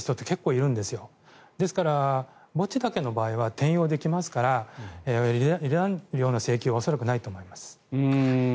多分これは墓地だけ確保している人っているんですよですから、墓地だけの場合は転用できますから離檀料の請求は恐らくないと思います。